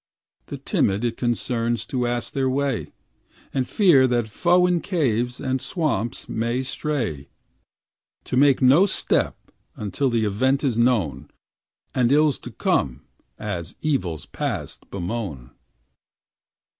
The timid it concerns to ask their way, And fear what foe in caves and swamps can stray, To make no step until the event is known, And ills to come as evils past bemoan.